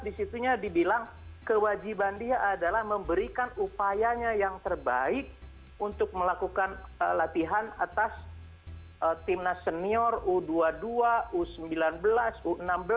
di situnya dibilang kewajiban dia adalah memberikan upayanya yang terbaik untuk melakukan latihan atas timnas senior u dua puluh dua u sembilan belas u enam belas